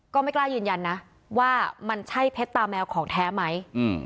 ก็ไม่กล้ายืนยันนะว่ามันใช่เพชรตาแมวของแท้ไหม